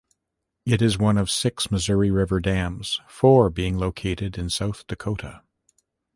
It is one of six Missouri River dams, four being located in South Dakota.